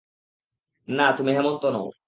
না, তুমি হেমন্ত নও।